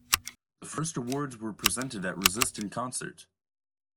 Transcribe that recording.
The first awards were presented at Resist in Concert!